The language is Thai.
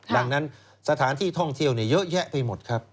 ดังนั้นสถานที่ท่องเที่ยวเยอะแยะไปหมดครับ